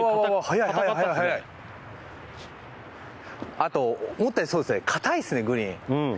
あと思ったよりそうですね硬いですねグリーン。